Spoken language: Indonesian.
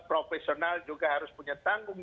profesional juga harus punya tanggung